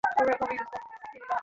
তাহার কেমন ভয় ভয় ঠেকিল।